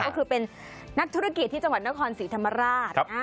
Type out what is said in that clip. ก็คือเป็นนักธุรกิจที่จังหวัดนครศรีธรรมราช